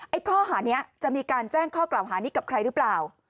ข้อหานี้จะมีการแจ้งข้อกล่าวหานี้กับใครหรือเปล่า